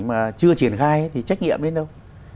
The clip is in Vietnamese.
mà chưa triển khai thì trách nhiệm đến đâu